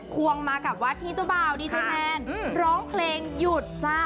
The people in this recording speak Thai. ควงมากับว่าที่เจ้าบ่าวดีเจแมนร้องเพลงหยุดจ้า